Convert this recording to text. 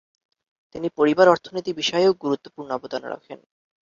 তিনি পরিবার অর্থনীতি বিষয়েও গুরুত্বপূর্ণ অবদান রাখেন।